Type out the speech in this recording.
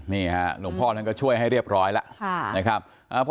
นี่ค่ะหลวงพ่อท่านก็ช่วยให้เรียบร้อยแล้ว